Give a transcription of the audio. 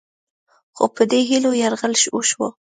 خو په دې هیلو یرغل وشو